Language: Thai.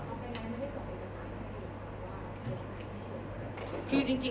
โอเคไนท์ไม่ได้ส่งอิกษานหรือว่าไม่ได้เช็คตรงนั้น